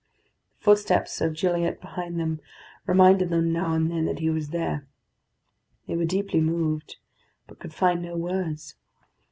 The footsteps of Gilliatt behind them reminded them now and then that he was there. They were deeply moved, but could find no words.